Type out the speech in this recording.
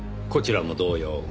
こちらも同様。